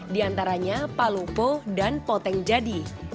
di antaranya palupo dan poteng jadi